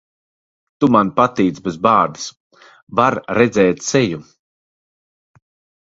Tu man patīc bez bārdas. Var redzēt seju.